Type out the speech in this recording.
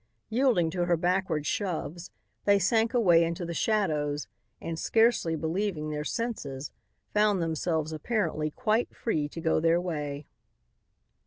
Yielding to her backward shoves, they sank away into the shadows and, scarcely believing their senses, found themselves apparently quite free to go their way.